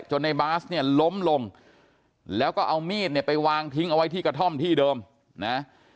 ในบาสเนี่ยล้มลงแล้วก็เอามีดเนี่ยไปวางทิ้งเอาไว้ที่กระท่อมที่เดิมนะ